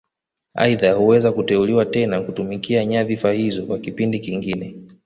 Aidha huweza kuteuliwa tena kutumikia nyadhifa hizo kwa kipindi kingine